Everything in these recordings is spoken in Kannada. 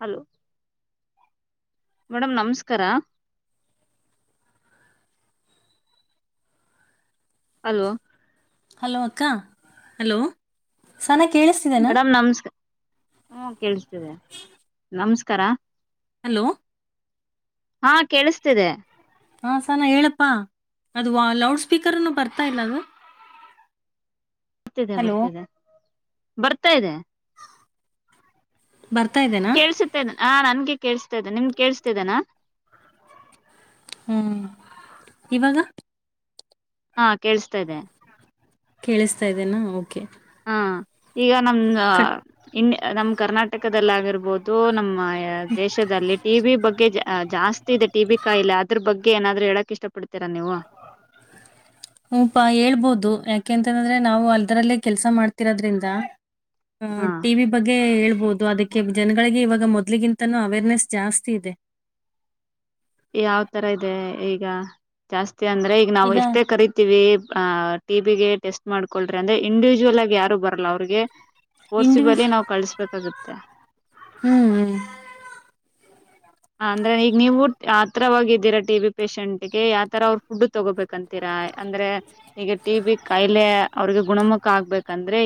ಹಲೋ ಮೇಡಂ ನಮಸ್ಕಾರ. ಹಲೋ ಹಲೋ ಅಕ್ಕಾ ಹಲೋ ಸ. ಮೇಡಮ್ ನಮಸ್ಕಾರ ಹು ಕೇಳ್ಸ್ತಿದೆ ನಮಸ್ಕಾರ ಹಲೋ ಹಾ ಕೇಳಿಸ್ತಿದೆ ಹಾ ಸನಾ ಹೇಳಪ್ಪಾ ಅದು ಲೌಡ್ ಸ್ಪೀಕರ್ನು ಬರ್ತಾ ಇಲ್ಲ ಅದು ಬರ್ತಿದೆ ಹಲೋ ಬರ್ತಿದೆ ಬರ್ತಾ ಇದೆ ಬರ್ತಾ ಇದೆನಾ ಕೇಳಳ್ಸುತ್ತೇನೆ ಆ ನನ್ಗೆ. ಕೇಸ್ತಾ ಇದ್ದನೆ ನಿಮ ಕೇಳಿಸ್ತಿದೆನಾ ಹೂ ಇವಾಗ. ಹಾ ಕೇಳ್ಸ್ತಾದೆ ಕೇಳಿಸ್ತಾ ಇದ್ದೇನಾ ಓಕೆ ಹ ಈಗ ನಮ ಕಟ್ ಇ ನಮ್ ಕರ್ನಾಟಕದಲ್ಲಿ ಆಗಿರಬಹುದು ನಮ್ಮ ದೇಶದಲ್ಲಿ ಟಿ ಬಿ ಬಗ್ಗೆ ಜಾಸ್ತಿ ಇದೆ ಟಿ ಬಿ ಕಾಯಿಲೆ ಅದ್ರ ಬಗ್ಗೆ ಏನಾದ್ರೂ ಹೇಳಕ್ ಇಷ್ಟಪಡ್. ಹಪಾ ಹೇಳ್ಬೋದು ಯಾಕ ಯಾಕೆಂತಂದ್ರೆ ನಾವು ಅಲ್ದರಲ್ಲೇ ಕೆಲ್ಸ ಮಾಡ್ತಿರೋದ್ರಿಂದ ಹಾ ಟಿವಿ ಬಗ್ಗೆ ಹೇಳ್ಬ ಬಹುದು ಅದಕ್ಕೆ ಜನಗಳಿಗೆ ಇವಾಗ ಮೊದ್ಲಿಗಿಂತೂ ಅವೇರ್ನೆಸ್ ಜಾಸ್ತಿ ಇದೆ ಯಾವ್ ತರ ಇದೆ ಈಗ ಜಾಸ್ತಿ ಅಂದ್ರೆ ಈಗ ನಾವು ಎಷ್ಟೇ ಕರಿತೀವಿ್ ಟಿಿಗೆ ಟೆಸ್ಟ್ ಮಾಡ್ಕೊ್ರಿ ಅಂದೆ ಇಂಡಿವಿಜುವಲ್ಗ ಯಾರ ಬರ ಅವ್ರಿಗೆ ತೋರ್ಸಿ ಇಂಡಿವಿಜ್ ಬಲಿ ನಾವ್ ಕಳಸ್ಬೇಕಾಗುತ್ತೆ ಹ್ಮ್ ಹ್ಮ್ ಅಂದ್ರೆ ಈಗ ನೀವು ಊ ಆತ್ರ ಹೋಗಿದ್ದೀರಾ ಟಿ ಬಿ ಪೇಷೆಂಟ್ ಹಗೆ ಯಾವ ತರ ಅವ್ರ ಫುಡ್ ತಗೋಬೇಕಂತೀರಾ ಅಂದ್ರೆ ಈಗ ಟಿ ಬಿ ಕಾಯಿಲೆ ಅವ್ರಿಗೆ ಗುಣಮುಖ ಆಗ್ಬೇಕಂದ್ರೆ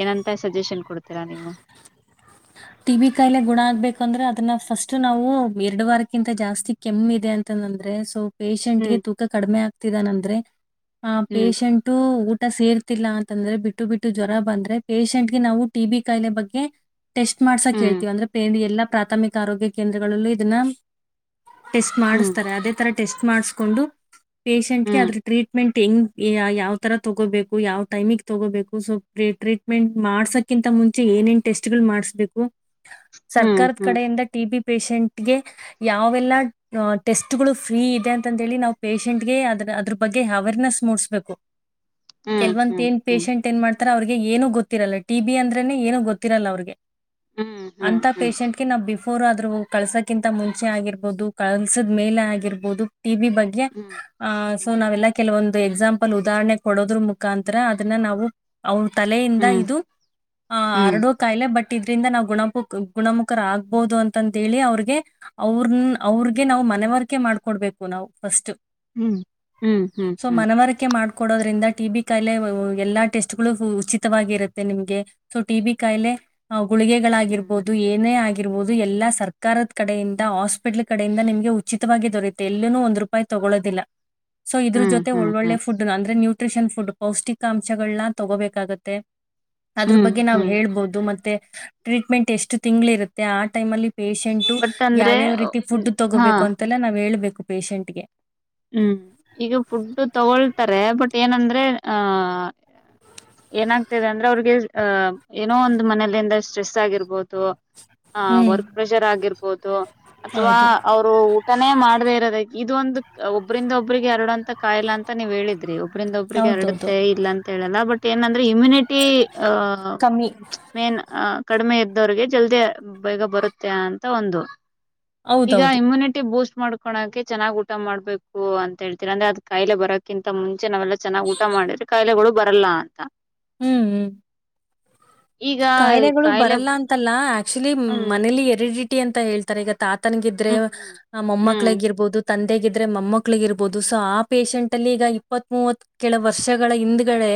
ಏನಂತ ಸಜೆಷನ್ ಕೊಡ್ತೀರಾ ನೀವು ಟ ಬಿಿ ಕಾಯಿಲೆ ಗುಣ ಆಗ್ಬೇಕುಂದ್ರೆ ಅದನ್ನ ಫಸ್ಟ್ ನಾವು ಎರಡು ವಾರಕ್ಕಿಂತ ಜಾಸ್ತಿ ಕೆಮ್ಮ ಇದೆ ಅಂತಂದಂದ್ರೆ ಸೊ ಪೇಶಷಂಟ್ ಗೆ ಹ್ಮ್ ತೂ ಕಡಿೆ ಆಗ್ ಆತಿದಾನಂದ್ರೆ [inaudible] ಹ ಹ್ಮ್ ಪೇಶಂಟು ಊ ಸೇರ್ತಿಲ್ಲ ಅಂತಂದ್ರೆ ಬಿಟ್ಟು ಬಿಟ್ಟು ಜ್ವರ ಬಂದ್ರೆ ಪೇೇಶಂಟ್ಗೆ ನಾವು ಟಿ ಬಿಿ ಕಾಯಿಲೆ ಬಗ್ಗೆ ಟೆಸ್ಟ್ ಮಾಡ್ಸಾ ಹ್ಮ್ ಕೇಳ್ತೀವ ಅಂದ್ರೆ ಪ ಎಲ್ಲಾ ಪ್ರಾಥಮಿಕ ಆರೋಗ್ಯ ಕೇಂದ್ರಗಳಲ್ಲೂ ಇದನ್ನ ಟೆಸ್ಟ್ ಮಾಡಿಸ್ತಾರೆ ಹ್ಮ್ ಅದೇ ತರ ಟೆಸ್ಟ್ ಮಾಡ್ಸ್ ಕೊಂಡು ಪೇಶಷೆಂಟ್ಗೆ ಅದ್ರ ಟ್ರೀಟ್ಮೆಂಟ್ ಹೆಂಗ್ ಯಾವ ತರ ತೊಗೋಬೇಕು ಯಾವ ಟೈಮಿಗೆ ತಗೋಬೇಕು ಸೊ ಟ್ರೀಟ್ಮೆಂಟ್ ಮಾಡ್ಸಕಿಂತ ಮುಂಚೆ ಏನೇನ್ ಟೆಸ್ಟ್ ಗಳು ಮಾಡ್ ಬೇಕು ಹ್ಮ್ ಸರ್ಕಾರದ ಹ್ಮ್ ಕಡೆಯಿಂದ ಟಿ ಬಿ ಪಷೆಂಟ್ಗೆ ಯಾವೆಲ್ಲ ಟೆಸ್ಟ್ಗಳು ಫ್ರೀ ಇದೆ ಅಂತಂತೇಳಿ ನಾವು ಪೇಶೆಂಟ್ಗೆ ಅದ್ರ ಅದ್ರ ಬಗ್ಗೆ ಅವೇರ್ನೆಸ್ ಮೂಡಿಸಬೇಕು ಹ್ಮ್ ಕೆಲ್ವಂತ ಹ್ಮ್ ಏನ್ ಹ್ಮ್ ಪೇಶಷೆಂಟ್ ಏನ್ ಮಾಡ್ತಾರ ಅವ್ರಿಗೆ ಏನೋ ಗೊತ್ತು ಗತ್ತಿರಲ್ಲ ಟಿ ಬಿ ಅಂದ್ರೇ ಏನು ಗೊತ್ತಿರಲ್ಲ ಅವ್ರಿಗೆ ಹ್ಮ್ ಹ್ಮ್ ಹ್ಮ್ ಅಂತ ಹ್ಮ್ ಪೇಶೆಂಟ್ಗೆ ನಾವು ಬಿಫೋರ್ ಆದ್ರ ಕಳ್ಸಕ್ಕೆ ಕಿಂತ ಮುಂಚೆ ಆಗಿರ್ಬೋುದು ಕಲ್ಸದ ಮೇಲೆ ಆಗಿರ್ಬೋದು ಟಿ ಬಿ ಬಗ್ಗೆ ಹ್ಮ್ ಆ ಸೊ ಹ್ಮ್ ನಾವೆಲ್ಲ ಕೆಲವೊಂದು ಎಕ್ಸಾಂಪ್ಲ್ ಲ್ಲಿ ಉದಾಹರಣೆ ಕೊಡೋದ್ರ ಮುಖಾಂತರ ಅದನ್ನ ನಾವು ಅವ ತಲೆಯಿಂದ ಹ್ಮ್ ಇದು ಹ ಹ್ಮ್ ಆರಡೋ ಕಾಯಿಲೆ ಬಟ್ ಇದ್ರಿಂದ ನಾ್ ಗುಣು ಗುಣಮುಖರ ಆಗ್ಬಹುದು ಅಂತಂತ ಹೇಳಿ ಅವ್ರಿಗೆ ಅವ್ರನ್ ಅವ್ರಗೆ ನಾ್ ಮನವರಿಕೆ ಮಾಡ್ಕೊಡ್ಬೇಕು ನಾವು ಫಸ್ಟ್ ಹ್ಮ್ ಹ್ಮ್ ಹ್ಮ್ ಸೊ ಹ್ಮ್ ಮನವರಿಕೆ ಮಾಡ್ಕೊಡೋದ್ರಿಂದ ಟಿ ಬಿ ಕಾಯಿಲೆ ಎಲ್ಲಾ ಟೆಸ್ಟ್ಗಳು ಉಚಿತವಾಗಿರುತ್ತೆ ನಿಮ್ಗೆ ಸೊ ಟಿ ಬಿ ಕಾಯಿಲೆ ಗುಳಿಗೆಗಳಾಗಿರ್ಬಹುದು ಏನೇ ಆ ುದು ಎಲ್ಲಾ ಸರ್ಕಾರದ ಕಡೆಯಿಂದ ಹಾಸ್ಪಿಟ್ಲ್ ಕಡೆಯಿಂದ ನಿಮ್ಗೆ ಉಚಿತವಾಗಿ ದೊರೆಯುತ್ತೆ ಎಲ್ಲೂ ಒಂದ್ ರೂಪಾಯಿ ತಗೊೊಳ್ಳೋದಿಲ್ಲ ಸೊ ಇದ್ರ ಹ್ಮ್ ಜೊತೆ ಹ್ಮ್ ಒಳ್ಳೆ ಹ್ಮ್ ಹ್ಮ್ ಫಡ್ ಅಂದ್ರೆ ನ್ಯೂ್ರಿಷನ್ಫಡ್ ಫುಡ್ ಪೌಷ್ಟಿಕಾಂಶಗಳನ್ನ ತಗೋಬೇಕಾಗತ್ತೆ ಅದ್ರ ಹ್ಮ್ ಬಗ್ಗೆ ನಾವವು ಹ್ಮ್ ಹೇಳ್ಬೋದು ಮತ್ತೆ ಟ್ರೀಟ್ಮೆಂಟ್ ಎಷ್ಟು ತಿಂಗಗಳು ಇರುತ್ತೆ ಆ ಟೈಮ್ ಅಲ್ಲಿ ಪೇಶೆಂಟ್ು ಬಟ್ ಅಂದ್ರೆ ಯಾವ್ಯಾವ ರೀತಿ ಫುಡ್ ಹಾ ತಗೋಬೇಕು ಅಂತೆಲ್ಲ ನಾವ್ ಹೇಳ್ಬೇಕು ಪೇಷೆಂಟ್ಗೆ ಹ್ಮ್ ಈಗ ಫುಡ್ ತಗೊಳ್ತಾರೆ ಬಟ್ ಏನಂದ್ರೆ ಆಹ ಏನಾಗ್ತಿದೆ ಅಂದ್ರೆ ಅವ್ರಿಗೆ ಅಹ ಏನೋ ಒಂದ ಮನೇಲಿಂದ ಸ್ಟ್ರೆಸ್ ಆಗಿರ್ಬೋದು. ಹ ಹ್ಮ್ ವರ್ಕ್ ಪ್ರೆಷರ್ ಆಗಿರ್ಬೋದು ಅಥವಾ ಹೌದು ಅವರು ಊಟನೇ ಮಾಡ್ದೇ ಇರೋದ. ಇ ಒಂದು. ಒಬ್ಬರಿಂದ ಒಬ್ಬ್ರಿಗೆ ಎರಡು ಅಂತ ಕಾಯಲಾ ಅಂತ ನೀವ್ ಹೇಳಿದ್ರಿ. ಒಬ್ಬ್ರಂದ ಒಬ್ಬ್ರಿಗೆ ಹೌದೌದು ಹರಡುತ್ತೆ ಇಲ್ಲ ಅಂತ ಹೇಳಲ್ಲ ಬಟ್. ಏನಂದ್ರೆ ಇಮ್ಯುನಿಟಿ. ಆ ಕಮ್ಮಿ ಮೇನ್. ಕಡಿಮೆ ಇದ್ದವ್ರಿಗೆ ಜಲ್ದಿ ಬೇಗ ಬರುತ್ತೆ ಅಂತ ಒಂದು. ಈಗ ಹೌದೌದು ಇಮ್ಯುನಿಟಿ ಬೂಸ್ಟ್. ಮಾಡ್ಕೋಳಕೆ ಚೆಾಗ್. ಊಟ ಮಾಡ್ಬೇಕು ಅಂತ ಹೇಳ್ತೀರ ಅಂದ್ರೆ ಅದ್ ಕಾಯಿಲೆ ಬರಕ್ಕಿಂತ ಮುಂಚೆ ನಾವೆಲ್ಲ ಚೆನ್ನ್ ಊಟ ಮಾಡಿದ್ರೆ ಕಾಯಿಲೆಗಳು ಬರಲ್ಲ ಅಂತ. ಹ್ಮ್ ಹ್ಮ್. ಈಗ ಕಾಯಿಲೆಗಳು ಕಾಯಿಲೆ ಬರಲ್ಲ ಅಂತಲ್ಲ. ಆಕ್ಚುಲಿ ಹ್ಮ್ ಮನೇಲಿ ಎರಡು. ಅಂತ ಹೇಳ್ತಾರೆ ಈಗ. ತಾತನಗ ಇದ್ರೆ ಹ್ಮ್ ಹ್ಮ್ ಮೊಮ್ಮಕ್ಕಳಗ ಇರ್ಬಹದು. ತಂದೆಗಿದ್ರೆ ಮೊಮ್ಮಕ್ಳಿಗ ಇರ್ಬಹದು ಸೊ ಆ ಪೇಶೆಂಟ್ ಅಲ್ಲಿ ಈಗ ಇಪ್ಪತ್ ಮೂವತ್ ಕೆಲ ವರ್ಷಗಳ ಹಿಂದಗಳೇ.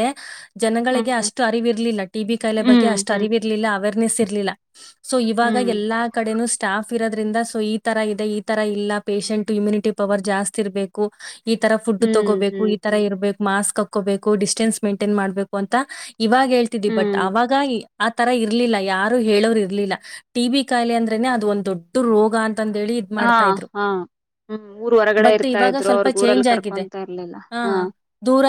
ಹ್ಮ್ ಜನಗಳಿಗೆ ಅಷ್ಟು ಅರಿವಿರ್ಲಿಲ್ಲ ಟಿ ಬಿಿ ಕಾಯಿಲೆ ಬಗ್ಗೆ. ಹ್ಮ್ ಅಷ್ಟ ಹ್ಮ್ ಅರಿವಿ ಇರಲಿಲ್ಲ ಅವರು. ನಿಸಸ್ ಇರ್ಲಿಲ್ಲ. ಸೊ ಇವಾಗ ಹ್ಮ್ ಎಲ್ಲಾ ಕಡೆನೂ. ಸ್ಟಾಫ್ ಇರೋದ್ರಿಂದ ಸೊ ಈ ತರ ಇದೆ ಈ ತರ ಇಲ್ಲ ಪೇಶೆಂಟ್ ಇಮ್ಯುನಿಟಿ ಪವರ್ ಜಾಸ್ತಿ ಇರ್ಬೇಕು. ಈ ತರ ಫುಡ್ ಹ್ಮ್ ತಗೋಬೇಕು ಈ ಹ್ಮ್ ತರ ಹ್ಮ್ ಇರ್ಬೇಕು ಮಾಸ್ಕ್ ಹ. ಹಕೋಬೇಕು ಡಿಸ್ಟೆನ್ಸ್ ಮೈಂಟೈನ್ ಮಾಡ್ಬೇಕು ಅಂತ. ಇವಾಗ ಹೇಳ್ತಿದಿ ಬಟ್ ಹ್ಮ್ ಆವಾಗ. ಆ ತರ ಇರ್ಲಿಲ್ಲ ಯಾರು ಹೇಳೋರು ಇರ್ಲಿಲ್ಲ ಟಿ ಬಿ ಕಾಯಿಲೆ ಅಂದ್ರೆನೆ ಅದು ಒಂದ್ ದೊಡ್ಡ ರೋಗ ಅಂತ. ಹಾ ಹಾ ಹ್ಮ್ ಊರ್ ಹೊರಗಡೆ ಬಟ್ ಇರ್ತಾ ಇವಾಗ ಇದ್ರು ಸ್ವಲ್ಪ ಅವ್ರಗ್ ಊರಲ್ಲಿ ಚೇಂಜ್ ಆಗಿದೆ. ಕರ್ಕೊಂತ ಇರ್ಲಿಲ್ಲ ಆ ಹಾ ದೂರ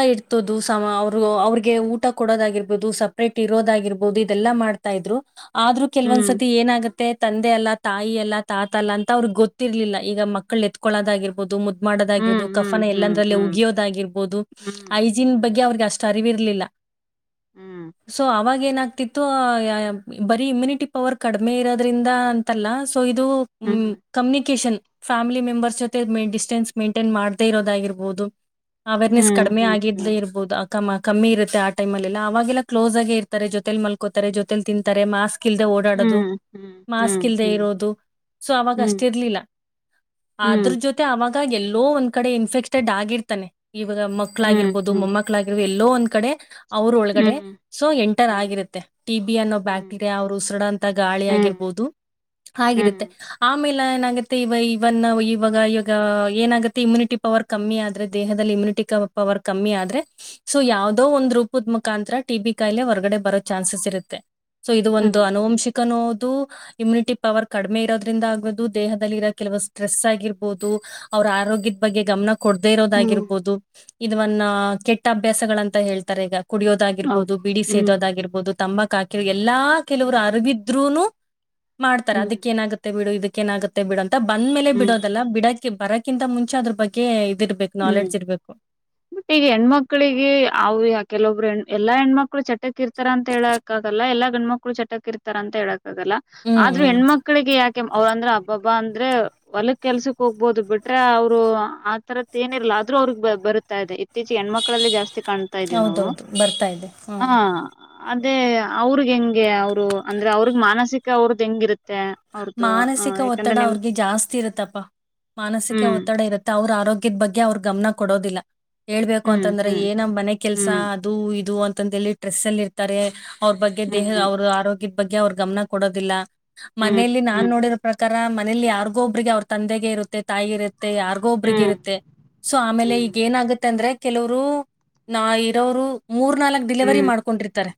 ಸಮ ಅವರು ಅವಿಗೆ ಊಟ ಕೊಡೋದಾಗಿರ್ಬೋದು ಸಪ್ರೇಟ್ ಇರೋದಾಗಿರ್ಬೋದು ಬಹದು ಇದೆಲ್ಲಾ ಮಾಡ್ತಾ ಇದ್ರು ಆದ್ರೂ ಹ್ಮ್ ಕೆಲವೊಂದ್ಸತಿ ಏನಾಗುತ್ತೆ ಮತ್ತೆ ತಂದೆ ಅಲ್ಲ ತಾಯಿ ಅಲ್ಲ ತಾತ ಅಲ್ಲ ಅಂತ ಅವ್ರಿಗೆ ಗೊತ್ತಿರ್ಲಿಲ್ಲ ಈಗ ಮಕ್ಕಳ ಎತ್ಕಳೋದಾಗಿರ್ಬೋದು ಮುದ್ದ [unintelligible] ಹ್ಮ್ ಮಾಡೋದಾಗಿರೋದು ಹ್ಮ್ ಕಫನ ಹ್ಮ್ ಎಲ್ಲಾಂದ್ರಲ್ಲಲ್ಲಿ ಹ್ಮ್ ಉಗಿಯೋದಾಗಿರ್ಬಹದು ಹ್ಮ್ ಐಜಿನ್ ಹ್ಮ್ ಬಗ್ಗೆ ಅವ್ರಿಗೆ ಅಷ್ಟ [unintelligible] ಅರಿವಿರಲಿಲ್ಲ ಹ್ಮ್ [unintelligible] ಸೊ ಅವಾಗ [unintelligible] ನ [unintelligible] ತ್ತು ಬರೀ ಇಮ್ಯುನಿಟಿ ಪವರ್ ಕಡಿಮೆ ಇರೋದ್ರಿಂದ ಅಂತಲ್ಲ [unintelligible] ಸೊ ಇದು ಹ್ಮ್ ಕಮ್ಯುನಿಕೇಶನ್ [unintelligible] ಫ್ಯಾಮಿಲಿ ಮೆಂಬರ್ಸ್ ಜೊತೆ ಡಿಸ್ಟೆನ್ಸ್ ಮೈಂಟೈನ್ ಮಾಡ್ದೇ ಇರೋದಾಗಿರ್ಬೋದು [unintelligible] ಅವೇರ್ನೆಸ್ ಕಡಿಮೆ ಆಗಿದಲೇ ಇರ್ಬಹದು ಕಮ್ಮ ಕಮ್ಮಿ ಇತ್ತೆ ಆ ಟೈಮ್ ಅಲ್ಲ ಅವಾಗೆಲ್ಲ ಕ್ಲೋಸ್ ಆಗಿ ಇರ್ತಾರೆ ಜೊತೆ [unintelligible] ಜೊಲ್ ಮಲ್ಕೋತಾರೆ ಜೊತೆಲ್ ತಿಂತಾರೆ ಮಾಸ್ಕ್ [unintelligible] ಲ್ದೆ ಓಡಾಡೋದು ಮಾಸ್ಕ್ ಇಲ್ದೆ ಇರೋದು ಸೊ ಅವಾಗ ಅಷ್ಟ ಇರ್ಲಿಲ್ಲ ಆದ್ರ ಜೊತೆ ಅವಾಗ [unintelligible] ಆ ಎಲ್ಲೋ ಒಂದ್ ಕಡೆ ಇನ್ಫೆಕ್ಟೆಡ್ ಆಗಿರ್ತಾನೆ [unintelligible] ಇವಾಗ ಮಕ್ಕಳ ಆಗಿರ್ಬಹದುಮ್ಮ ಮಕ್ಕಳಾಗಿರ್ಬೋದು ಎ [unintelligible] ಲ್ಲೋ ಒಂದ್ ಕಡೆ [unintelligible] ಅವರು ಒಳಗಡೆ ಸೊ ಎಂಟರ್ ಆಗಿರುತ್ತ [unintelligible] ಟಿ ಬಿ ಅನ್ನೋ ಬ್ಯಾಕ್ಟೀರಿಯಾ ಅವ್ರು ಉಸಡಂತ ಗಾಳಿ ಆಗಿರಬಹದು ಆರುತ್ತೆ [unintelligible] ಆಮೇಲೆ ಏನಾಗುತ್ತೆ ಇವ ಇವನ್ ಇವಾಗ ಇವಾಗ ಏನಾಗುತ್ತೆ ಇಮ್ಯುನಿಟಿ ಪವರ್ ಕಮ್ಮಿ ಆದ್ರೆ ದೇಹದಲ್ಲಿ ಇಮ್ಯುನಿಟಿ ಪವರ್ ಕಮ್ಮಿ ಆದ್ರೆ ಸೊ ಯಾವವುದೋ ಒಂದ್ ರೂಪದ ಮುಖಾಂತರ ಟಿ ಬಿ ಕಾಯಿಲೆ ಹೊರ್ಗಡೆ ಬರುತ್ತೆ [unintelligible] ಚಾನ್ಸಸ್ ಇರುತ್ತೆ [unintelligible] ಸೊ ಇದು ಒಂದು ಅನುವಂಶಿಕನೋದು [unintelligible] ಇಮ್ಯುನಿಟಿ ಪವರ್ ಕಡಿಮೆ ಇರೋದ್ರಿಂದ ಆಗಬಹುದು ದೇಹದಲ್ಲಿರೋ ಕೆಲವು ಸ್ಟ್ರೆಸ್ ಆಗಿರಬಹುದು ಅವ್ರ ಆರೋಗ್ಯದ ಬಗ್ಗೆ ಗಮನ [unintelligible] ಕೊಡದೇ ಇರೋದಾಗಿರ್ಬೋದು [unintelligible] ಇದವನ್ನ ಕೆಟ್ಟ ಅಭ್ಯಾಸಗಳಂತ ಹೇಳ್ತಾರೆ ಈಗ [unintelligible] ಕುಡಿಯೋದಾಗಿರ್ಬಹದು ಬಿಡಿ ಸೇದೋದಾಗಿರ್ಬಹದು [unintelligible] ತಂಬ ಕಾಕಿ [unintelligible] ಎಲ್ಲಾ ಕೆಲವರು ಅರಬಿದ್ರುನು [unintelligible] ಮಾಡ್ತಾರ ಅದಕ್ಕ ಏನಾಗುತ್ತೆ ಬಿೀಡು ಇದಕ್ಕೆ [unintelligible] ಕೆನಾಗತ್ತೆ ಬಿಡ [unintelligible] ಬಂದ್ ಮೇಲೆ ಬಿಡದಲ್ಲ ಬಿಡ [unintelligible] ಬರಕ್ಕಿಂತ ಮುಂಚೆ ಅದ್ರ ಬಗ್ಗೆ [unintelligible] ಹ್ಮ್, ನಾಲೆಡ್ಜ್ ಇರ್ಬೇಕು. ಮತ್ತೆ ಹೆಣ್ಮಕ್ಳಿಗೆ ಅವ್ ಯಾ ಕೆಲವ್ ಎಲ್ಲ ಹೆಣ್ಮಕ್ಳು ಚಟಕ್ ಇರ್ ತರ ಅಂತ್ ಹೇಳಕ್ಕಾಗಲ್ಲ ಎಲ್ಲ ಎಲ್ಲ ಹೆಣ್ಮಕ್ಳು ಚಟಕ್ ಇರ್ತರ ಅಂತ್ ಹೇಳಕ್ ಆಗಲ್ಲ ಹ್ಮ್ ಆದ್ರೆ ಹ್ಮ್ ಹೆಣ್ಮಕ್ಳಿಗೆ ಯಾಕ್ ಕೆ ಅವ್ರ್ ಅಂದ್ರೆ ಅಬ್ಬಬ್ಬ ಅಂದ್ರೆ ಹೊಲಕ್ ಕೆಲ್ಸಕ್ ಹೋಗ್ಬೋದು ಬಿಟ್ರೆ ಅವ್ರು ಆತರ ಏನಿರ್ಲ್ಲ ಆದ್ರೂ ಅವ್ರಗ್ ಬರುತ್ತ ಇದೆ ಇತ್ತೀಚ್ಗೆ ಹೆಣ್ಮಕ್ಳಲ್ಲೆ ಜಾಸ್ತಿ ಕಾಣ್ತಾ ಇದೀವಿ ನಾವು ಹೌದೌದು ಬರ್ತಾ ಇದೆ ಹ ಹ್ಮ್. ಅದೇ ಅವ್ರಿಗ್ ಎಂಗೆ ಅವ್ರು ಅಂದ್ರೆ ಅವ್ರಗ್ ಮಾನಸಿಕ ಅವ್ರದ್ ಹೆಂಗಿರುತ್ತೆ ಅವ್ರದು ಹ ಮಾನಸಿಕ ಒತ್ತಡ ಯಾಕಂದ್ರೆ ನಿಮ್ ಅವ್ರಿಗೆ ಜಾಸ್ತಿ ಇರುತ್ತಪ್ಪಾ ಮಾನಸಿಕ ಹ್ಮ್ ಒತ್ತಡ ಇರುತ್ತೆ ಅವ್ರ್ ಆರೋಗ್ಯ ಕ್ಕಿದ್ ಬಗ್ಗೆ ಅವ್ರ್ ಗಮ್ನ ಕೊಡೋದಿಲ್ಲ ಹೇಳ್ಬೇಕು ಹ್ಮ್ ಅಂತಂದ್ರೆ ಹ್ಮ್ ಏನ ಮನೆ ಕೆಲ್ಸ ಹ್ಮ್ ಅದು ಇದು ಅಂತ ಅಂತದ್ ಹೇಳಿ ಸ್ಟ್ರೆಸ್ ಅಲ್ ಇರ್ತರೆ ಅವ್ರ್ ಬಗ್ಗೆ ದೇಹ ಹ್ಮ್ ಅವ್ರು ಆರೋಗ್ಯದ್ ಬ ಬಗ್ಗೆ ಅವ್ರ್ ಗಮ್ನ ಕೊಡೋದಿಲ್ಲ ಹ್ಮ್ ಮನೇಲಿ ನಾನ್ ಹ್ಮ್ ನೋಡಿರೊ ಪ್ರಕಾರ ತರ ಮನೇಲಿ ಯಾರ್ಗೊ ಒಬ್ರಿಗೆ ಅವ್ರ್ ತಂದೆಗೆ ಇರುತ್ತೆ ತಾಯಿಗ್ ಇರುತ್ತೆ ಯಾರ್ಗೋ ಒಬ್ರಿಗ್ ಹ್ಮ್ ಇರುತ್ತೆ ಸೊ ಆಮೇಲೆ ಹ್ಮ್ ಹ್ಮ್ ಈಗ್ ಏನಾಗುತ್ತೆ ಅಂದ್ರೆ ಕೆಲುವ್ರು ನಾ ಇರೋರು ಮೂರ್ ನಾಲಕ್ ಡಿಲೆವರಿ ಹ್ಮ್ ಮಾಡ್ಕೊಂಡಿರ್ತಾರೆ,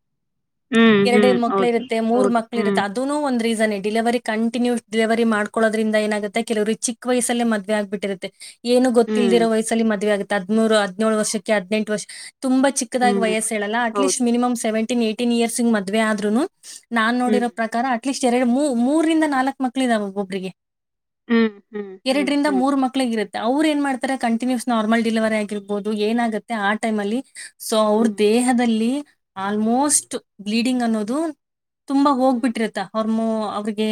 ಹ್ಮ್ ಎರ್ಡ್ ಹ್ಮ್ ಎರ್ಡ್ ಮಕ್ಳ್ ಹೌದು ಇರುತ್ತೆ, ಮೂರ್ ಹೌದು ಮಕ್ಳು ಹ್ಮ್ ಇರುತ್ತೆ ಅದುನು ಒಂದ್ ರಿಸನ್ [unintelligible] ಡಿಲೆವರಿ ಕಂಟಿನ್ಯೂಸ್ ಡಿಲೆವರಿ ಮಾಡ್ಕೊಳ್ಳೋದ್ರಿಂದ ಏನಾಗುತ್ತೆ ಕೆಲುವ್ರಿಗ್ ಚಿಕ್ ವಯಸ್ಸಲ್ಲೇ ಮದ್ವೆ ಆಗ್ಬಿಟ್ಟಿರುತ್ತೆ ಏನು ಹ್ಮ್ ಗೊತ್ತಿಲ್ದಿರೊ ವಯ್ಸಲ್ಲಿ ಮದ್ವೇ ಆಗುತ್ ಹದ್ಮೂರು ಹದ್ನೇಳು ವರ್ಷಕ್ಕೆ ಹದಿನೆಂಟು ವರ್ಷ ತುಂಬ ಚಿಕ್ದಾಗಿ ಹ್ಮ್ ವಯಸ್ ಹೇಳಲ್ಲ ಅಟ್ ಲೀಸ್ಟ್ ಹೌದು ಮಿನಿಮ್ ಸೆವೆನ್ ಟೀನ್ ಎಯ್ಟೀನ್ ಇಯರ್ಸ್ಗ್ ಮದ್ವೆ ಆದ್ರುನು ನಾನ್ ಹ್ಮ್ ನೋಡಿರೋ ಪ್ರಕಾರ ಅಟ್ಲಿಸ್ಟ್ ಎರಡ್ ಮೂ ಮೂರಿಂದ ನಾಲ್ಕ್ ಮಕ್ಳ್ ಇದಾವ ಒಬ್ಬೊಬ್ರಿಗೆ ಹ್ಮ್ ಹ್ಮ್ ಹ್ಮ್ ಎರಡ್ರಿಂದ ಹ್ಮ್ ಮೂರ್ ಮಕ್ಳಿಗ್ ಇರುತ್ತೆ ಅವ್ರ್ ಏನ್ ಮಾಡ್ತಾರೆ ಕಂಟಿನ್ಯೂಸ್ ನಾರ್ಮಲ್ ಡಿಲೆವರಿ ಆಗಿರ್ಬೋದು ಏನಾಗುತ್ತೆ ಆಟೈಮ್ ಅಲ್ಲಿ ಸೊ ಅವ್ರ್ ಹ್ಮ್ ದೇಹದಲ್ಲಿ ಹ್ಮ್ ಆಲ್ಮೋಸ್ಟ್ ಬ್ಲೀಡ್ ಡಿಂಗ್ ಅನ್ನೋದು ತುಂಬ ಹ್ಮ್ ಹ್ಮ್ ಹೋಗ್ಬಿಟ್ಟಿರುತ್ತಾ ಮೋ. ಅವ್ರಿಗೆ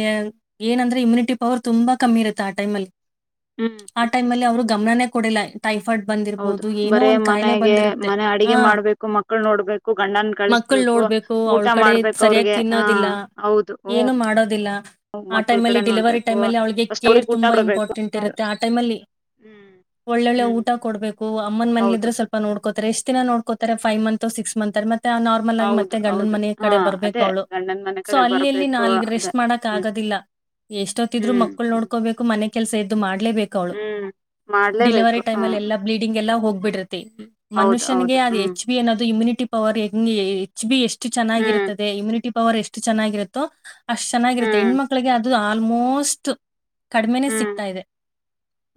ಏನಂದ್ರೆ ಇಮ್ಯುನಿಟಿ ಪವರ್ ತುಂಬಾ ಕಮ್ಮಿ ಇರುತ್ತೆ ಆ ಟೈಮ್ ಅಲ್ಲಿ. ಆ ಟೈಮ್ ಅಲ್ಲಿ ಹ್ಮ್ ಅವ್ರು ಗಮನನೇ. ಕೊ--ಡಲ ಹೌದು ಬರೇ ಮನೆಗೆ ಬಂದಿರುತ್ತೆ ಮನೆ ಆ ಅಡಿಗೆ ಮಾಡ್ಬೇಕು ಮಕ್ಳ ನೋಡ್ಬೇಕು ಗಂಡನ್ ಮಕ್ಕಳು ಕಳಸ್--ಕು ನೋಡ್ಬೇಕು ಊಟ ಅವಳ ಕಡೆ ಮಾಡ್ಬೇಕು ಸರಿಯಾಗಿ ಅವ್ರಿಗೆ ಹ ಹೌದು ಹ ಇಲ್ಲ. ಆ ಟೈಮಲ್ಲಿ ಡೆಲಿವರಿ ಟೈಮಲ್ಲಿ ಅವಿಗೆ ಫಸ್ಟ್ ಕೇರ್ ಅವ್ರಿಗೆ ಊಟ ತುಂಬಾ ಕೊಡ್ಬೇಕು ಇಂಪಾರ್ಟೆಂಟ್ ಹೌದು ಇರುತ್ತೆ ಆ ಟೈಮಲ್ಲಿ ಹ್ಮ್ ಒಳ್ಳೆ ಹ್ಮ್ ಊಟ ಕೊಡ್ಬೇಕು ಅಮ್ಮನ ಹೌದು ಮನಲಿದ್ರೆ ಸ್ವಲ್ಪ ನೋಡ್ ರೆ ಎಷ್ಟ ದಿನ ನೋಡ್ಕತಾರೆ ವ್ ಮಂತ್ ಸಿಕ್ ಮಂತ್ ಅ ಮತ್ತೆ ನಾರ್ಮಲ್ ಆಗಿ ಮತ್ತೆ ಹೌದು ಗಂಡನ ಹೌದು ಮನೆಯ ಹಾ ಕಡೆ ಬರ್ಬೇಕು ಅದೇ ಅವ್ಳು ಗಂಡನ್ ಮನೆ ಸೊ ಕಡೆ ಅಲ್ಲಿಲ್ಲಿ ಬರ್ಬೇಕು ನಾಲ್ ರೆಸ್ ಅದೇ ಹ್ಮ್ ಆಗೋದಿಲ್ಲ ಎಷ್ಟ ಹೊತ್ತಿದ್ರು ಹ್ಮ್ ಮಕ್ಕಳು ಹ್ಮ್ ನೋಡ್ಕೋಬೇಕು. ಅಲ್ ಸೇದು ಮಾಡ ಹ್ಮ್ ಮಾಡ್ಲೇಬೇಕು ಡೆ--ವರಿ ಹ ಎ ಹ ಬಿಡ್ರ. ಹೌದು ಮನುಷ್ಯನ್--ಗೆ ಹೌದು ಅದು ಹ್ಮ್ ಹೆಚ್ ಬಿ ಅನ್ನೋದು ಇಮ್ಯುನಿಟಿ ಪವರ್ ಎ ಹೆಚ್ ಬಿ ಎಷ್ಟು ಎಷ್ಟ ಹ್ಮ್ ಚೆ--ಗಿರುತ್ತದೆ ಇಮ್ಯುಟಿ ಪವರ್ ಎಷ್ಟು ಚೆನ್ನಾಗಿರುತ್ತೋ ಅಷ್ಟ ಚನ್ನಾಗಿರುತ್ತೆ ಹ್ಮ್ ಹೆಣ್ಮ ಮಕ್ಕಳಿಗೆದು ಅದು ಆಲ್ಮೋಸ್ಟ್ ಕಡಿಮೆನನೆ ಹ್ಮ್ ಸಿಗ್ತಾ ಇದೆ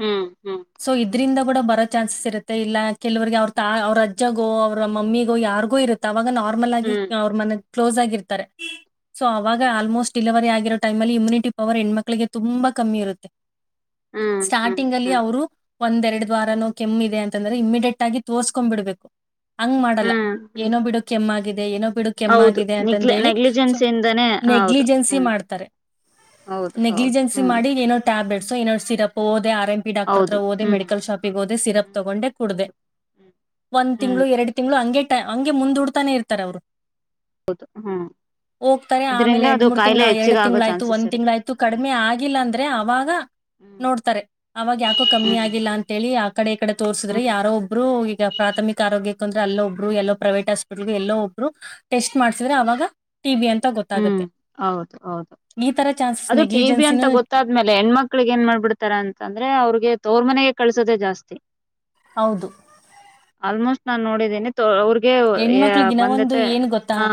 ಹ್ಮ್ ಹ್ಮ್ ಸೊ ಇದ್ರಂದ ಕೂಡ ಬರೋ ಚಾನ್ಸಸ್ ಇರುತ್ತೆ ಇಲ್ಲ ಕೆಲವರಿಗೆ ಅವ್ರ ತ ಅವ್ರ ಅಜ್ಜಗೋ ಅವರ ಮಮ್ಮಿಗೋ ಯಾರಿಗೂ ಇರುತ್ತ ಅವಾಗ ನಾರ್ಮಲ್ ಆಗಿ ಹ್ಮ್ ಅವ್ರ ಮನೆ ಕ್ಲೋಸ್ ಆಗಿರ್ತಾರೆ ಸೊ ಅವಾಗ ಆಲ್ಮೋಸ್ಟ್ ಡಿಲಿವರಿ ಆಗಿರೋ ಟೈಮ ಅಲ್ಲಿ ಇಮ್ಯುನಿ ಪವರ್ ಹೆಣ್ಮಕ್ಳಿಗೆ ತುಂಬಾ ಕಮ್ಮಿ ಇರುತ್ತೆ ಹ್ಮ್ ಹ್ಮ್ ಸ್ಟಾರ್ಟಿಂಗ್ ಅಲ್ಲಿ ಹ್ಮ್ ಅವರು ಒಂದ್ ಎರಡು ದ ವಾರಾನೋ ಕೆಮ್ಮ ಇದೆ ಅಂತಂದ್ರೆ ಇಮಿಡಿಯೇಟ್ ಆಗಿ ತೋರ್ಸ್ಕೊ್ ಬಿಡ್ಬೇಕು ಹಂಗ್ ಮಾಡಲ್ಲ ಹ್ಮ್ ಹ್ಮ್ ಏನೋ ಬಿಡು ಕೆಮ್ಮ ಆಗಿದೆ ಏನು ಹೌದು ನಿಗ್ಲಿ ನೆಗ್ಲಿಜೆನ್ಸ್ ಇಂದಾನೇ ಹೌದು ನೆಗ್ಲಿಜೆನ್ಸಿ ಹ್ಮ್ ಮಾಡ್ತಾರೆ ಹೌದು ಹೌದು ನೆಗ್ಲಿಜೆನ್ಸಿ ಹ್ಮ್ ಮಾಡಿ ಏನೋ ಟ್ಯಾಬ್ಲೆಟ್ ನಸೀರೋದೆೇ ಎಂ ಪಿ ಡಾಕ್ಟರ್ ಹತ್ರ ಹೌದು ಓದೆ ಹ್ಮ್ ಮೆಡಿಕಲ್ ಶಾಪಿಗೆ ಹೋದೆ ಸಿರಪ್ ಹ್ಮ್ ತಗೊಂಡೆ ಕುಡದೆ ಹೌದು ಹ್ಮ್ ಒಂದ್ ಹ್ಮ್ ತಿಂಗಳು ಎರಡು ತಿಂಗಳು ಹಂಗೆ ಹಂಗೆ ಮುಂದೂಡ್ತಾನೆ ಇರ್ತಾರೆ ಅವ್ರು ಹೌದು ಹ್ಮ ಇದ್ರಂದ ಅದು ತಿಂಗಳ ಕಾಯಿಲೆ ಎರಡ್ ಹೆಚ್ಚಿಗೆ ಆಗೋ ತಿಂಗಳು ಆಯ್ತು ಚಾನ್ಸಸ್ ಒಂದ್ ತಿಂಗ್ಗಳ ಇರುತ್ತೆ ಆಾಯ್ತು ಹೌದು ಕಡಿಮೆ ಆಗಿಲ್ಲ ಅಂದ್ರೆ ಅವಾಗ ಹ್ಮ್ ನೋಡ್ತಾರೆ ಅವಾಗ ಯಾಕೋ ಕಮ್ಮಿ ಹ್ಮ್ ಆಗಿಲ್ಲ ಅಂತೇಳಿ ಆ ಕಡೆ ಈ ಕಡೆ ತೋರ್ಸಿದ್ರೆ ಹ್ಮ್ ಯಾರೋ ಒಬ್ಬರು ಪ್ರಾಥಮಿಕ ಆರೋಗ್ಯಕ ಅಂದ್ರೆ ಅಲ್ಲ ಒಬ್ರು ಎಲ್ಲೋ ಪ್ರೈವೇಟ್ ಆಾಸ್ಪಿಟ್ಲ್ಗೆ ಎಲ್ಲೋ ಒಬ್ರು ಟೆಸ್ಟ್ ಮಾಡ್ಸಿದ್ರೆ ಅವಾಗ ಟಿ ಬಿ ಅಂತ ಹ್ಮ್ ಗೊತ್ತಾಗುತ್ತೆ ಹೌದು ಹೌದು ಈ ತರ ಚಾನ್ಸಸ್ ಅದು ಟಿ ಬಿ ಅಂತ ನೆಗ್ಲಿಜೆನ್ಸಿನೂ ಗೊತ್ತಾದ್ಮೇಲೆ ಹೆಣ್ಮಕ್ಳಿಗೆ ಏನ್ ಮಾಡ್ಬಿಡ್ತಾರ ಅಂತ ಅಂದ್ರೆ ಅವ್ರಿಗೆ ತೋ್ರ ಮನೆಗೆ ಕಳ್ಸೋದೆೇ ಜಾಸ್ತಿ ಹೌದು ಆಲ್ಮೋಸ್ಟ್ ನಾನ್ ನೋಡಿದ್ದೇನೆ ಅವ್ರ ಹೆಣ್ಮಕ್ಳಿಗಿನ ಒಂದು ಏನ್ ಗೊತ್ತಾ ಹ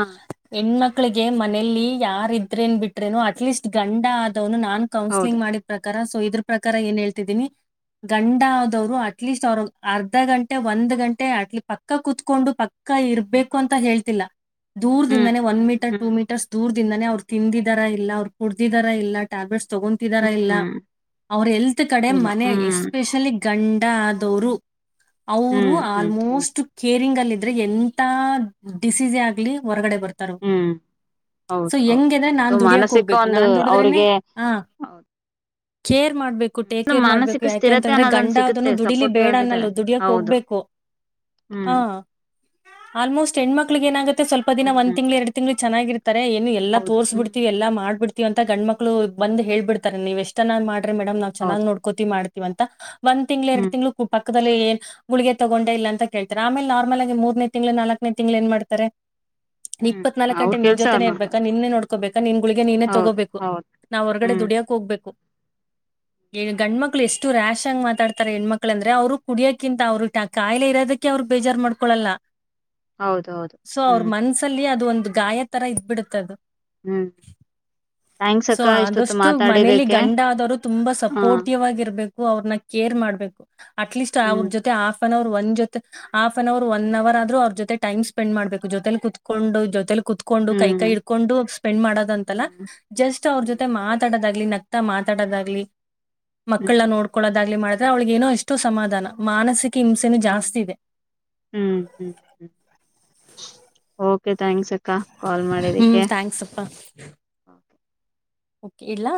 ಹೆಣ್ಮಕ್ಳಿಗೆ ಮನೆ ಮನ ಯಾರ ಇದ್ರೆನ್ ಬಿಟ್ರೇನು ಅಟ್ ಲೀಸ್ಟ್ ಗಂಡ ಆದ ನು ನಾನ್ ಹೌದು ಕೌನ್ಸಿಲಿಂಗ್ ಮಾಡಿದ ಪ್ರಕಾರ ಸೊ ಇದ್ರ ಪ್ರಕಾರ ಏನ್ ಹೇಳ್ತಿದೀನಿ ಗಂಡ ಆದವ್ರು ಅಟ್ಲೀಸ್ಟ್ ಅವರು ಅರ್ಧ ಗಂಟೆ ಒಂದ್ ಗಂಟೆ ಅಟ್ ಪಕ್ಕ ಕುೂತ್ಕೊಂಡು ಪಕ್ಕ ಅಕ್ಕ ಇರ್ಬೇಕು ಅಂತ ಹೇಳ್ತಿಲ್ಲ ಹ್ಮ್ ದೂರ್ದಿಂದಾನೇ ಒನ್ ಹ್ಮ್ ಮೀಟರ್ ಟೂ ಹ್ಮ್ ಮೀಟರ್ಸ್ ದೂರ್ದ ದಾನೇ ಅವ್ರು ತಿಂದಿದಾರ ಇಲ್ಲ ಅವ್ರು ಕುಡದಿದಾರ ಇಲ್ಲ ಟ್ಯಾಬ್ಲೆಟ್ಸ್ ತಗೊತಿದಾರ ಇಲ್ಲ ಹ್ಮ್ ಅವ್ರ ಎಲ್ತ್ ಕಡೆ ಇಲ್ಲ ಮನೆ ಹ್ಮ್ ಎಸ್ಪೆಷಲಿ ಗಂಡಾದರು ಅವರು ಹ್ಮ್ ಹ್ಮ್ ಹ್ಮ್ ಆಲ್ಮೋಸ್ಟ್ ಕೇರಿಂಗ್ ಅಲ್ಲಿ ಎಂತ ಡಿಸೀಸ ಆಗ್ಲಿ ಹೊರಗಡೆ ಬರ್ತಾರೋ ಹ್ಮ್ ಸೊ ಹೌದು ಹೌದು ಹೆಂಗಿದ್ರೆ ನಾನ್ ಅದು ದುಡಿಯಕ್ ಮಾನಸಿಕ ಹೋಗ್ಬೇಕು ಒಂದು ನಾನ್ ಅವ್ರಿಗೆ ಹೌದು ಕೆ ಮಾಡ್ಬೇಕು ಒಂದು ಟೇಕೆ ರ್ ಮಾಡ್ಬೇಕು ಮಾನಸಿಕ ಸ್ಥಿರತೆ ಯಾಕೆಂತಂದ್ರೆ ಅನ್ನೋದೊಂದು ಗಂಡ ಅದನು ಸಿಗುತ್ತೆ ದುಡೀಲಿ ಸಪೋರ್ಟಿವ್ ಬೇಡ ಅನ್ನಲ್ಲ ಆಗಿದ್ದಾರೆ ದುಡಿಯಕ್ ಹೌದು ಹೋಗ್ಬೇಕು ಹ ಹ್ಮ್ ಆಲ್ಮೋಸ್ಟ್ ಹೆಣ್ಮಕ್ಳಿಗೆ ಏನಾಗುತ್ತೆ ಸ್ವಲ್ಪ ದಿನ ಒಂದ್ ಹ್ಮ್ ತಿಂಗಳು ಎರ ತಿಂಗಳು ಚೆನ್ನಾಗಿ ಏನ್ ಎಲ್ಲ ಹೌದು ತೋರಿಸಿ ಹ್ಮ್ ಬಿಡ್ತವಿ ಎಲ್ಲಾ ಮಾಡ್ಬಿಡ್ತಿವಿ ಅಂತ ಗಂಡ ಮಕ್ಳು ಬಂದ ಹೇಳ್ಬಿಡ್ತಾರೆ ನೀವು ಎಷ್ಟನ್ನ ಮಾಡ ಮೇಡಮ್ ನವು ಚೆನ್ನ್ ಹೌದು ನೋಡ್ೋತಿ ಮಾಡ್ೀ ವಂತ ಒಂದ ತಿಂಗ್ಗಳು ಎರ ಹ್ಮ್ ತಿಂಗಗಳು ಪಕ್ಕದಲ್ಲಿ ಏನ್ ಗುಳಿಗೆ ತಗೊಂಡೇ ಇಲ್ಲ ಅಂತ ಕೇಳ್ತಾರೆ ಆಮೇಲೆ ನಾರ್ಮಲ್ ಆಗ ಮೂರನೇ ತಿಂಗಳು ನಾಲ್ಕನೇ ತಿಂಗಳು ಏನ್ ಮಾಡ್ತಾರೆ ಹ್ಮ್ ಇಪ್ಪತ್ ನಾಲ್ಕ ಅವ್ರ ಗಂಟೆ ನಿನ್ ಕೆಲ್ಸ ಅವ್ರ ಜೊತೆೇನೆ ನೋಡ್ಕ ಇರ್ಬೇಕಾ ನಿನ್ನೆ ನೋಡ್ ನಿನ್ಗಳುಗಳಿಗೆ ನೀನೇ ಹೌದು ತಗೋಬೇಕು ಹೌದು ನಾವ್ ಹೊರಗಡೆ ಹ್ಮ್ ದುಡಿಯಕ್ ಹೋಗ್ಬೇಕು ಗಂಡ ಮಕ್ಳು ಎಷ್ಟು ರಶ್ ಆಗಿ ಮಾತಾಡ್ತಾರೆ ಹೆಣ್ಮಕ್ಳ ಅಂದ್ರೆ ಅವರು ಕುಡಿಯಕಿಂತ ಅವ್ರರು ಕಾಯಿಲೆ ಇರೋದಕ್ಕೆ ಅವ್ರರು ಬೇಜಾರ್ ಮಾಡ್ಕಾರೆ ಹಕಳಲ್ಲ ಹೌದೌದು ಸೊ ಅವ್ರ ಹ್ಮ್ ಮನ್ಸಲ್ಲಿ ಅದು ಒಂದು ದು ಗಾಯ ತರ ಇದ್ ಬಿಡುತ್ತದು. ಹ್ಮ್ ಥ್ಯಾಂಕ್ಸ್ ಸೊ ಅಕ್ಕ ಇಷ್ಟೊತ್ತು ಆದಷ್ಟು ಮನೇಲಿ ಮಾತಾಡಿದಕ್ಕೆ ಗಂಡ ಆದವರು ತುಂಬಾ ಹ ಸಪೋರ್ಟಿವ್ ಆಗಿರ್ಬೇಕು. ಕು ಅವ್ರನ್ನ ಕೇರ್ ಮಾಡ್ಬೇಕು. ಆಟ್ಲಿಸ್ಟ್ ಆ ಹ್ಮ್ ಜತೆ ಆಫ್ ನವರು ಒಂಜೊತೆ ಆಫ ಫ್ನ್ ಅವರ್ ಒನ್ ಅವರ್ ಆದರು ಅವ್ರ ಜೊತೆ ಟೈಮ್ ಸ್ಪೆಂಡ್ ಮಾಡಬೇಕು ಜೊತೆಲಿ ಕುತ್ಕೊಂಡು ಜೊತೆಲಿ ಕುತ್ಕೊಂಡು ಕೈ ಕೈ ಹ್ಮ್ ಇಡ್ಕೊಂಡು ಸ್ಪೆಂಡ್ ಮಾಡೋದ ಅಂತಲ್ಲ ಹ್ಮ್ ಜಸ್ಟ್ ಅವ್ರ ಜೊತೆ ಹ್ಮ್ ಮಾತಾಡೋದಾಗ್ಲಿ ನ ಮತ್ತಾ ಮಾತಾಡೋದಾಗ್ಲಿ ಮಕ್ಕಳ ಹ್ಮ್ ನೋಡ್ಕೊಳದಾಗ್ಲಿ ಮಾಡ್ ಅವಳಿಗ್ ಏನೋ ಎಷ್ಟೋ ಸಮಧಾನ ಮಾನಸಿಕ ಸ್ಕಿಮ್ಸ್ ನು ಜಾಸ್ತಿ ಓಕೆ ಇದೆ. ಹ್ಮ್ ಹ್ಮ ಹ್ಮ ಓಕೆ ಥಾಂಕ್ಸ್ ಹ್ಮ್ ಥಾಂಕ್ಸ್ ಅಪ್ಪ. ಕೆ ಇಡ್ಲಾ?